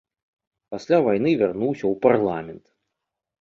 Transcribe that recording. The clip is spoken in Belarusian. Пасля вайны вярнуўся ў парламент.